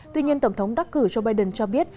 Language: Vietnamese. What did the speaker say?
tuy nhiên tổng thống đắc cử joe biden cho biết